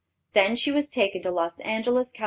Then she was taken to Los Angeles, Cal.